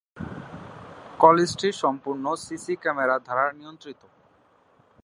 কলেজটি সম্পূর্ণ CC camera দ্বারা নিয়ন্ত্রিত।